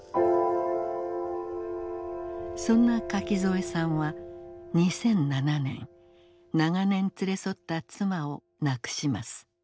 そんな垣添さんは２００７年長年連れ添った妻を亡くします。